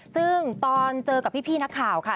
ซึ่งตอนเจอกับพี่นักข่าวค่ะ